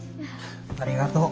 ありがとう。